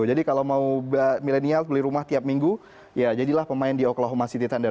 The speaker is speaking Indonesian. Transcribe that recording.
jadi kalau mau milenial beli rumah tiap minggu ya jadilah pemain di oklahoma city thunder